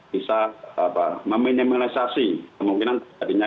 bisa meminimalisasi kemungkinan terjadinya